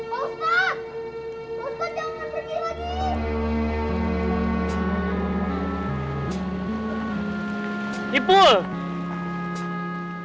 pak ustadz jangan pergi lagi